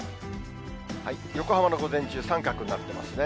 横浜の午前中、三角になってますね。